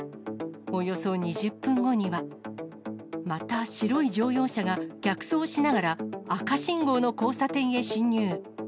およそ２０分後には、また白い乗用車が逆走しながら、赤信号の交差点へ進入。